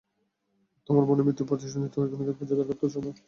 তোমার বোনের মৃত্যুর প্রতিশোধ নিতে ওই খুনিকে খুঁজে বের করতে চাও না?